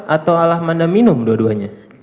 atau alah manda minum dua duanya